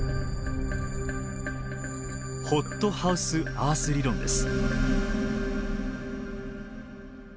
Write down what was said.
ホットハウスアース理論です。